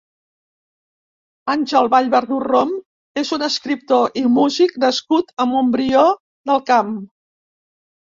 Àngel Vallverdú Rom és un escriptor i músic nascut a Montbrió del Camp.